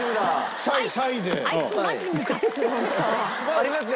ありますか？